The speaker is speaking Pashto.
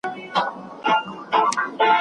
هلته هيڅ شور او ځوږ نه و.